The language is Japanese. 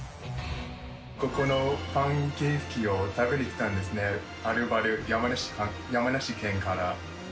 ここのパンケーキを食べるために、はるばる山梨県から。